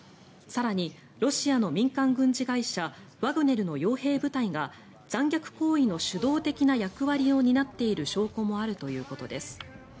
更に、ロシアの民間軍事会社ワグネルの傭兵部隊が残虐行為の主導的な役割を担っている証拠もあるということです。